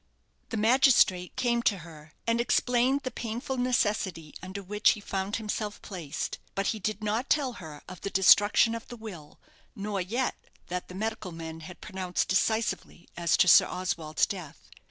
The magistrate came to her, and explained the painful necessity under which he found himself placed. But he did not tell her of the destruction of the will, nor yet that the medical men had pronounced decisively as to Sir Oswald's death.